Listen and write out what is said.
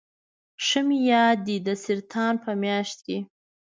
ښه مې یاد دي د سرطان په میاشت کې.